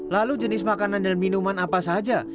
lalu jenis makanan dan minuman apa saja